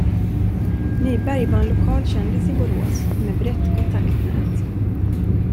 Nyberg var en lokal kändis i Borås med brett kontaktnät.